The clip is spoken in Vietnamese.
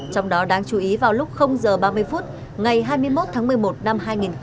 trong đó đáng chú ý vào lúc giờ ba mươi phút ngày hai mươi một tháng một mươi một năm hai nghìn hai mươi